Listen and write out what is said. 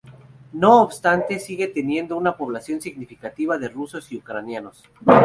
No obstante, sigue teniendo una población significativa de rusos y ucranianos.